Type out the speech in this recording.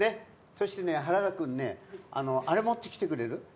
そしてね原田くんねあれ持ってきてくれる？